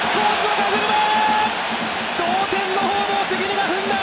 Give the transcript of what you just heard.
同点のホームを関根が踏んだ。